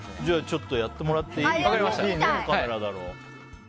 ちょっとやってもらっていい？